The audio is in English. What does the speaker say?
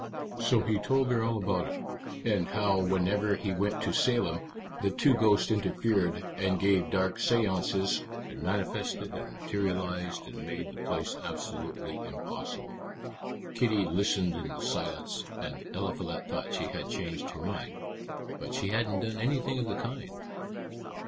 So he told her all about it, and how whenever he went to Salem the two ghosts interfered, and gave dark séances and manifested and materialized and made the place absolutely impossible. Kitty listened in silence, and Eliphalet thought she had changed her mind. But she hadn't done anything of the kind."